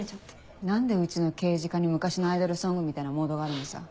何でうちの刑事課に昔のアイドルソングみたいなモードがあるのさ。